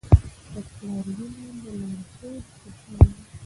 د پلار وینا د لارښود په شان ده.